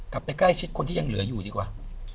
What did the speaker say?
กลับไปใกล้ชิดคนที่ยังเหลืออยู่ดีกว่า